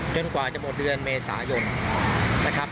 กว่าจะหมดเดือนเมษายนนะครับ